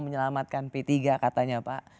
menyelamatkan p tiga katanya pak